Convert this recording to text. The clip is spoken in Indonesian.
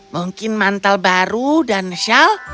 mungkin mantel baru dan shawl